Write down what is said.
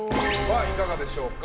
いかがでしょうか？